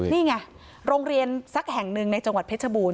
นี่ไงโรงเรียนสักแห่งหนึ่งในจังหวัดเพชรบูรณ